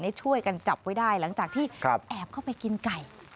ช่วยกันจับไว้ได้หลังจากที่แอบเข้าไปกินไก่